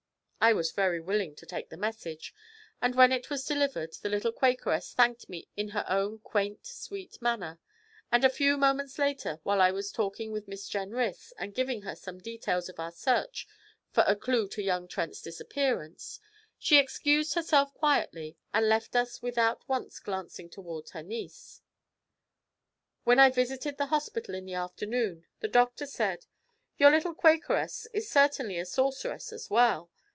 I was very willing to take the message, and when it was delivered the little Quakeress thanked me in her own quaint sweet manner, and a few moments later, while I was talking with Miss Jenrys and giving her some details of our search for a clue to young Trent's disappearance, she excused herself quietly and left us without once glancing toward her niece. When I visited the hospital in the afternoon, the doctor said: 'Your little Quakeress is certainly a sorceress as well.